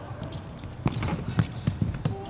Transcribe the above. โอ้โอ้โอ้